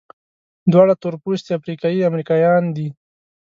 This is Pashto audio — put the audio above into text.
دواړه تورپوستي افریقایي امریکایان دي.